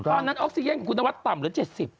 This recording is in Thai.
ตอนนั้นออกซีเยนคุณวัตรต่ำเหลือ๗๐